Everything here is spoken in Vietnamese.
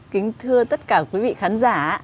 kính thưa tất cả quý vị khán giả